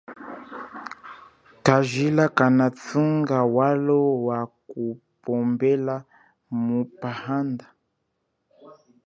Kajila kanathunga walo waku pombela muphanda.